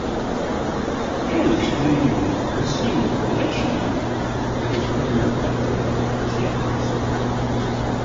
Aun así, "The Singles Collection" registró unos cuantos logros comerciales.